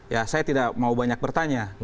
ya saya tidak mau banyak bertanya